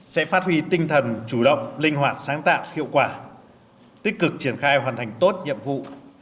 sẽ phát huy tinh thần chủ động linh hoạt sáng tạo hiệu quả tích cực triển khai hoàn thành tốt nhiệm vụ